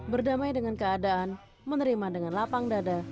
berdamai dengan keadaan menerima dengan lapang dada